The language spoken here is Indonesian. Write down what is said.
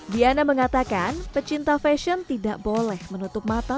diana mengatakan pecinta fashion tidak boleh menutup mata